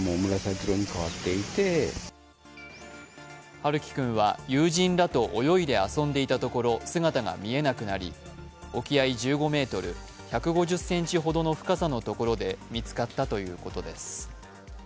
遥希君は友人らと泳いで遊んでいたところ姿が見えなくなり、沖合１５ｍ、１５０ｃｍほどの深さのところで見つかったということです。